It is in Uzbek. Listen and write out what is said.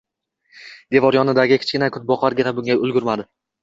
devor yonidagi kichkina kungaboqargina bunga ulgurmadi.